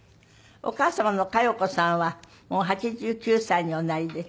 お母様の香葉子さんはもう８９歳におなりで。